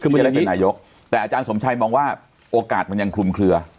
เพื่อจะได้เป็นนายกแต่อาจารย์สมชัยมองว่าโอกาสมันยังคลุมเคลือ